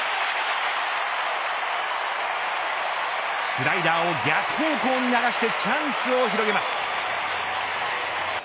スライダーを逆方向に流してチャンスを広げます。